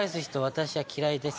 私は嫌いです。